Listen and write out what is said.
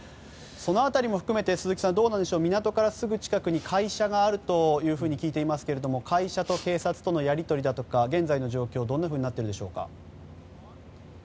その辺りも含めて、鈴木さん港からすぐ近くに会社があるというふうに聞いていますが会社と警察とのやり取りだとか現在の状況はどんなふうになっていますか？